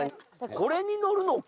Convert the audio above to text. これに乗るのか。